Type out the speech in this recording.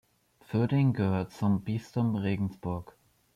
Pförring gehört zum Bistum Regensburg.